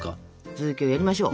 続きをやりましょう。